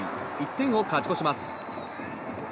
１点を勝ち越します。